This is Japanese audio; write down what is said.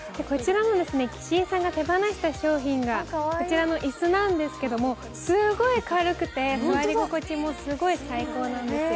岸井さんが手放した商品がこちらの椅子なんですけどすごい軽くて座り心地も最高なんです。